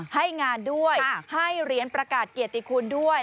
ให้งานด้วยให้เหรียญประกาศเกียรติคุณด้วย